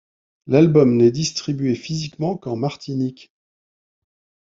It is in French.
L'album n'est distribué physiquement qu'en Martinique.